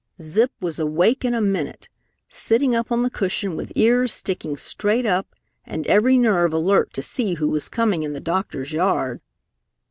Zip was awake in a minute, sitting up on the cushion with ears sticking straight up and every nerve alert to see who was coming in the doctor's yard.